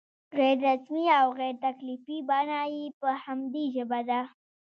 غیر رسمي او غیر تکلفي بڼه یې په همدې ژبه ده.